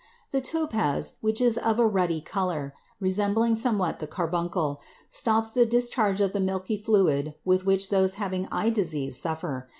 The topaz, which is of a ruddy color, resembling somewhat the carbuncle, stops the discharge of the milky fluid with which those having eye disease suffer.